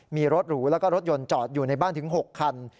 มีรถหรูแล้วก็รถยนต์จอดอยู่ในบ้านถึง๖คัน